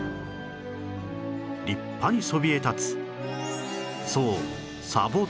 立派にそびえ立つそう